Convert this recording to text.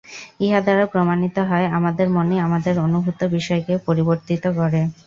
ইহা দ্বারা প্রমাণিত হয়, আমাদের মনই আমাদের অনুভূত বিষয়কে পরিবর্তিত করে।